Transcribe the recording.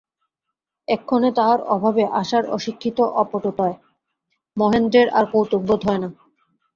এক্ষণে তাহার অভাবে, আশার অশিক্ষিত অপটুতায় মহেন্দ্রের আর কৌতুকবোধ হয় না।